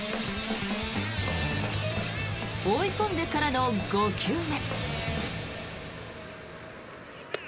追い込んでからの５球目。